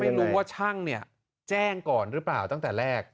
ไม่รู้ว่าช่างเนี่ยแจ้งก่อนหรือเปล่าตั้งแต่แรก